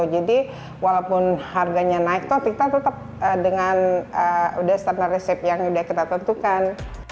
jadi walaupun harganya naik kita tetap dengan standar resep yang sudah kita tentukan